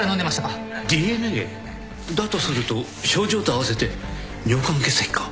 ＤＮＡ？だとすると症状とあわせて尿管結石か。